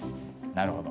なるほど。